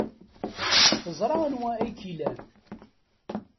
Teẓra anwa ay k-ilan.